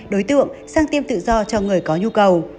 đối tượng sang tiêm tự do cho người có nhu cầu